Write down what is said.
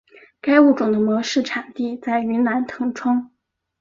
该物种的模式产地在云南腾冲。